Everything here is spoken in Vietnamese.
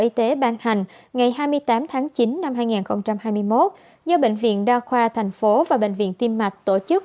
y tế ban hành ngày hai mươi tám tháng chín năm hai nghìn hai mươi một do bệnh viện đa khoa thành phố và bệnh viện tim mạch tổ chức